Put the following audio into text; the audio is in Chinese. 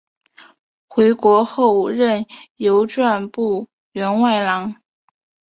回国后任邮传部员外郎。